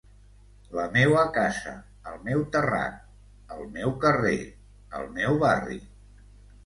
La meua casa, el meu terrat, el meu carrer, el meu barri.